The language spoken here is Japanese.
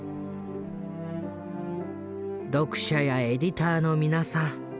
「読者やエディターの皆さん